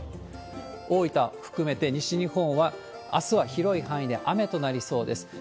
大分含めて、西日本はあすは広い範囲で雨となりそうです。